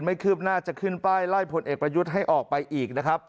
คืบหน้าจะขึ้นป้ายไล่พลเอกประยุทธ์ให้ออกไปอีกนะครับ